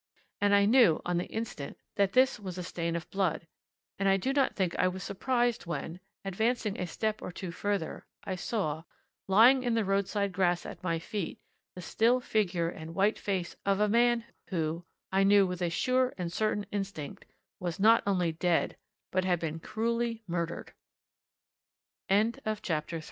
And I knew on the instant that this was the stain of blood, and I do not think I was surprised when, advancing a step or two further, I saw, lying in the roadside grass at my feet, the still figure and white face of a man who, I knew with a sure and certain instinct, was not only dead but had been cruelly murdered. CHAPTER IV THE MURDE